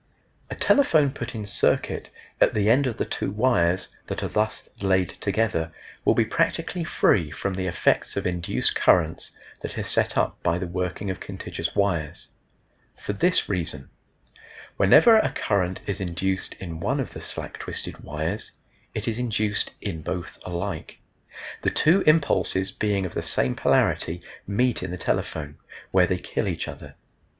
A telephone put in circuit at the end of the two wires that are thus laid together will be practically free from the effects of induced currents that are set up by the working of contiguous wires for this reason: Whenever a current is induced in one of the slack twisted wires it is induced in both alike; the two impulses being of the same polarity meet in the telephone, where they kill each other.